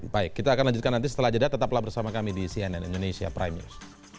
baik kita akan lanjutkan nanti setelah jeda tetaplah bersama kami di cnn indonesia prime news